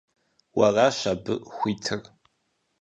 Уэращ абы хуитыр.